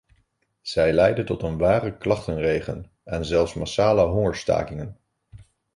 Zij leidde tot een ware klachtenregen en zelfs massale hongerstakingen.